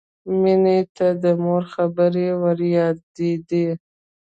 مینې ته د مور خبرې وریادېدې